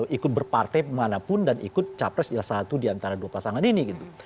ikut berpartai manapun dan ikut capres adalah satu di antara dua pasangan ini gitu